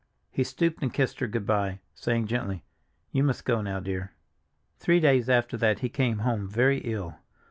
He stooped and kissed her good by, saying gently, "You must go now, dear." Three days after that he came home very ill.